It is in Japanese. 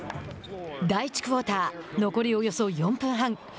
第１クオーター残りおよそ４分半。